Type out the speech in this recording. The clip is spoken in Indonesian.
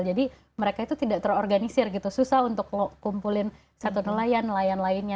jadi mereka itu tidak terorganisir gitu susah untuk kumpulin satu nelayan nelayan lainnya